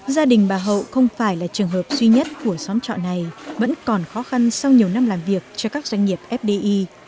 gia đình bà hậu không phải là trường hợp duy nhất của xóm trọ này vẫn còn khó khăn sau nhiều năm làm việc cho các doanh nghiệp fdi